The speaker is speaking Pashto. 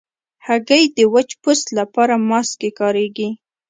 هګۍ د وچ پوست لپاره ماسک کې کارېږي.